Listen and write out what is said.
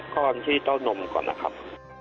ก้อนที่เต้านมก่อนนะครับ